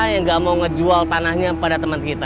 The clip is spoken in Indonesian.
yang gak mau ngejual tanahnya pada teman kita